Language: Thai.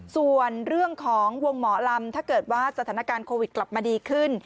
ส่วนเรื่องของวงหมอลำถ้าเกิดว่าสถานการณ์โควิดกลับมาดีขึ้น